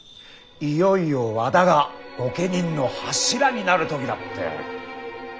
いよいよ和田が御家人の柱になる時だって。